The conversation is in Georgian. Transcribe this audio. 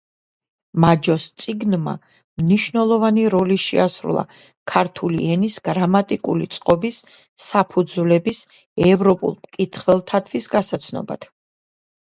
მაჯოს წიგნმა მნიშვნელოვანი როლი შეასრულა ქართული ენის გრამატიკული წყობის საფუძვლების ევროპელ მკითხველთათვის გასაცნობად.